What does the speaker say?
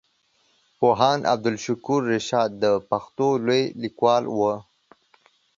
پوهاند عبدالشکور رشاد د پښتو لوی ليکوال وو.